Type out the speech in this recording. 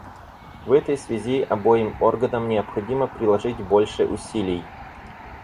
В этой связи обоим органам необходимо приложить больше усилий.